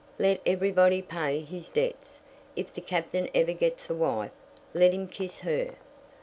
Let everybody pay his debts. If the Captain ever gets a wife, let him kiss her."